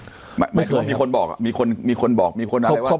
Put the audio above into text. หมายถึงว่ามีคนบอกมีคนอะไรว่า